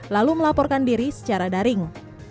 lalu melaporkan diri secara daring